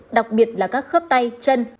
đặc biệt là các khớp tay chân